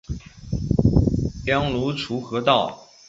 隶安庐滁和道。